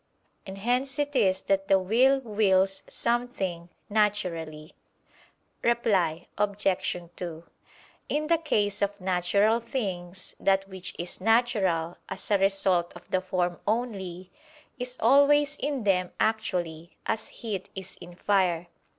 And hence it is that the will wills something naturally. Reply Obj. 2: In the case of natural things, that which is natural, as a result of the form only, is always in them actually, as heat is in fire.